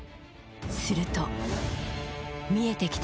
すると、見えてきた